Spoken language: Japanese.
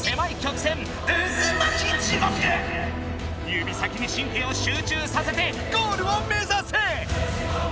指先に神経を集中させてゴールを目ざせ！